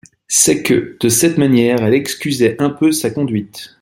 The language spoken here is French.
C'est que, de cette manière, elle excusait un peu sa conduite.